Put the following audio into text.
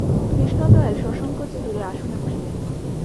কৃষ্ণদয়াল সসংকোচে দূরে আসনে বসিলেন।